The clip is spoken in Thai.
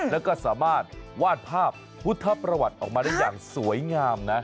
แล้วก็สามารถวาดภาพพุทธประวัติออกมาได้อย่างสวยงามนะ